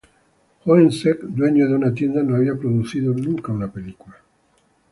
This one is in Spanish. Jo Eng Sek, dueño de una tienda, no había producido nunca una película.